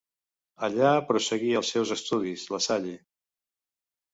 Allà prosseguí els seus estudis La Salle.